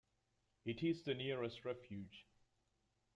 It is the nearest refuge.